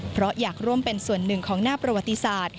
เพราะอยากร่วมเป็นส่วนหนึ่งของหน้าประวัติศาสตร์